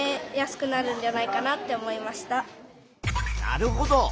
なるほど。